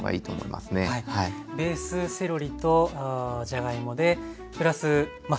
ベースセロリとじゃがいもでプラスまあ